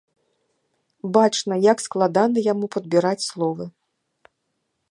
Бачна, як складана яму падбіраць словы.